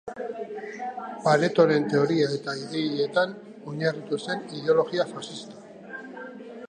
Paretoren teoria eta ideietan oinarritu zen ideologia faxista.